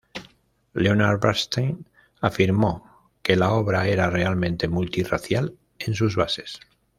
Leonard Bernstein afirmó que la obra era realmente multirracial en sus bases.